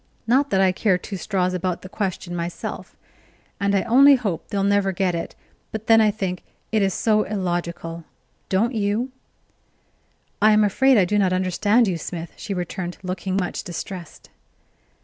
Not that I care two straws about the question myself, and I only hope they'll never get it; but then I think it is so illogical don't you?" "I am afraid I do not understand you, Smith," she returned, looking much distressed.